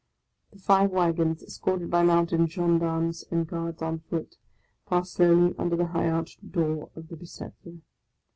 The five wagons, escorted by mounted gendarmes and guards on foot, passed slowly under the high arched door of the Bicetre.